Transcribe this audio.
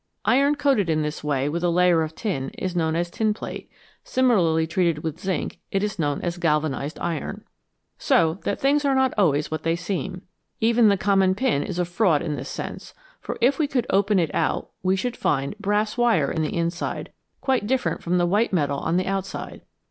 Iron coated in this way with a layer of tin is known as tinplate ; similarly treated with zinc, it is known as galvanised iron. So that things are not always what they seem. Even the common pin is a fraud in this sense, for if we could open it out we should find brass wire in the inside, quite different from the white metal on the outside.